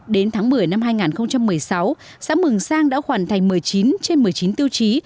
đến tháng một mươi năm hai nghìn một mươi sáu xã mường sang đã hoàn thành một mươi chín trên một mươi chín tiêu chí